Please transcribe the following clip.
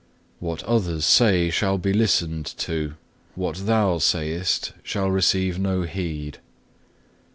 What others say shall be listened to; what thou sayest shall receive no heed.